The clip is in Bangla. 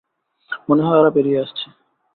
মনে হয় ওরা বেরিয়ে আসছে।